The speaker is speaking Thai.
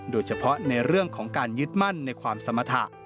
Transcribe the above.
โดยเฉพาะในเรื่องของการยึดมั่นในความสมรรถะ